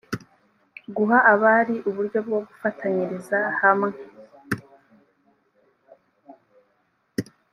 guha abari uburyo bwo gufatanyiriza hamwe